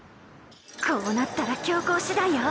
こうなったら強硬手段よ。